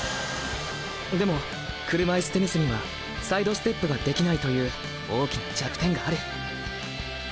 でも車いすテニスにはサイドステップができないという大きな弱点がある。